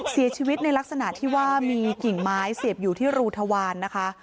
เสียชีวิตในลักษณะที่ว่ามีกิ่งไม้เสียบอยู่ที่รูทวารนะคะ